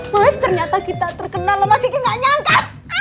mas ternyata kita terkenal mas kiki nggak nyangka